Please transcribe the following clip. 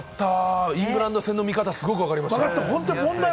イングランド戦の見方、すごくわかりました。